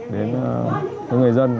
đến với người dân